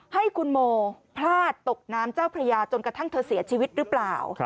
ให้คุณโมพลาดตกน้ำเจ้าพระยาจนกระทั่งเธอเสียชีวิตหรือเปล่า